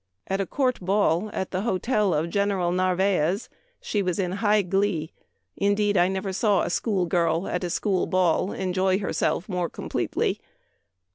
At a court ball at the hotel of General Narvaez " she was in high glee. Indeed, I never saw a school girl at a school ball enjoy herself more com pletely.